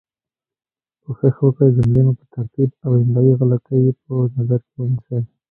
کوښښ وکړئ جملې مو په ترتیب او املایي غلطې یي په نظر کې ونیسۍ